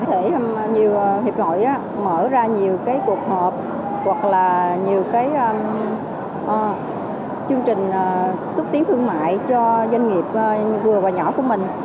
nói thể nhiều hiệp hội mở ra nhiều cái cuộc họp hoặc là nhiều cái chương trình xúc tiến thương mại cho doanh nghiệp vừa và nhỏ của mình